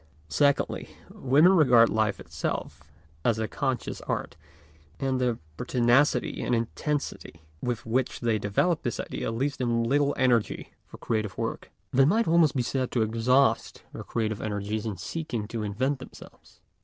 Secondly, women regard life itself as a conscious art, and the pertinacity and intensity with which they develop this idea leaves them little energy for creative work. They might almost be said to exhaust their creative energies in seeking to invent themselves.